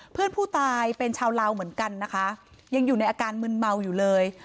เพื่อนผู้ตายเป็นชาวลาวเหมือนกันนะคะยังอยู่ในอาการมึนเมาอยู่เลย